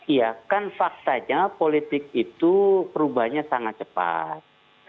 iya kan faktanya politik itu perubahannya sangat cepat